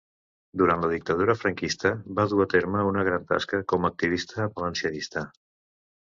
Durant la dictadura franquista va dur a terme una gran tasca com a activista valencianista.